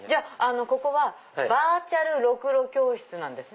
ここはバーチャルろくろ教室なんですね。